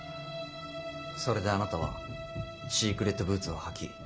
それであなたはシークレットブーツを履き